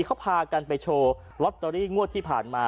เขาพากันไปโชว์ลอตเตอรี่งวดที่ผ่านมา